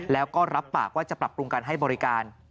แล้วก็รับปากว่าจะปรับปรุงการให้บริการ